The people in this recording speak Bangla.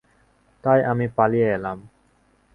তাই, আমি পালিয়ে এলাম।